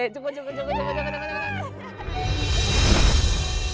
jangan jangan jangan